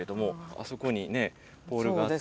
あそこにポールがあって。